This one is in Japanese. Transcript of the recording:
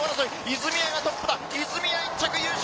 泉谷がトップだ、泉谷１着、優勝！